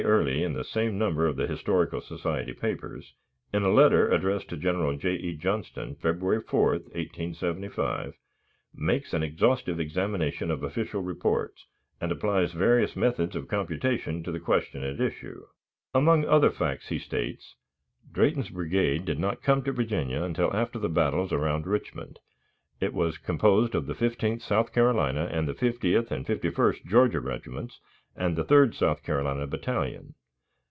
Early, in the same number of the "Historical Society Papers," in a letter addressed to General J. E. Johnston, February 4, 1875, makes an exhaustive examination from official reports, and applies various methods of computation to the question at issue. Among other facts, he states: "Drayton's brigade did not come to Virginia until after the battles around Richmond. It was composed of the Fifteenth South Carolina and the Fiftieth and Fifty first Georgia Regiments and Third South Carolina Battalion.